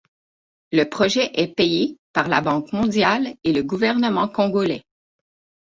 Le projet est payé par la banque mondiale et le gouvernement congolais.